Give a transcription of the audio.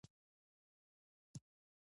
د مسترۍ او نجارۍ کارونه شته